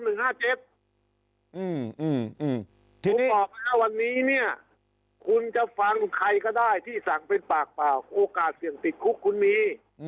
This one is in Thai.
ผมบอกนะวันนี้เนี่ยคุณจะฟังใครก็ได้ที่สั่งเป็นปากเปล่าโอกาสเสี่ยงติดคุกคุณมี